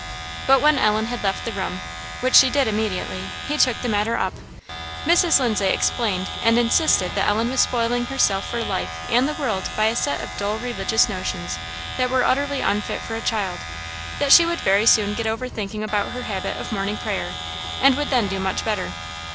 But when Ellen had left the room, which she did immediately, he took the matter up. Mrs. Lindsay explained, and insisted that Ellen was spoiling herself for life and the world by a set of dull religious notions that were utterly unfit for a child; that she would very soon get over thinking about her habit of morning prayer, and would then do much better.